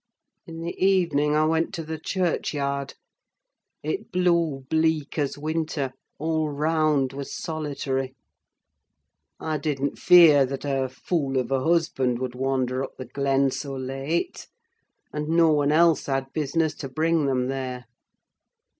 In the evening I went to the churchyard. It blew bleak as winter—all round was solitary. I didn't fear that her fool of a husband would wander up the glen so late; and no one else had business to bring them there.